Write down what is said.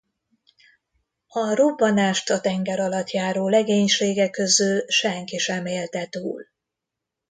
A robbanást a tengeralattjáró legénysége közül senki sem élte túl.